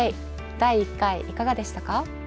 第１回いかがでしたか？